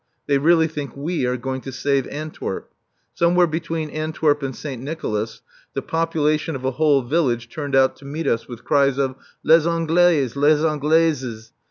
They really think we are going to save Antwerp. Somewhere between Antwerp and Saint Nicolas the population of a whole village turned out to meet us with cries of "_Les Anglais! Les Anglaises!